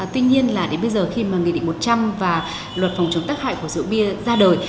tuy nhiên là đến bây giờ khi mà nghị định một trăm linh và luật phòng chống tác hại của rượu bia ra đời